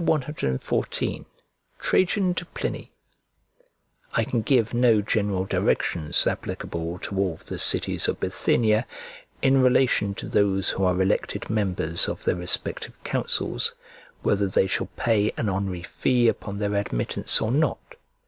CXIV TRAJAN TO PLINY I CAN give no general directions applicable to all the cities of Bithynia, in relation to those who are elected members of their respective councils, whether they shall pay an honorary fee upon their admittance or not.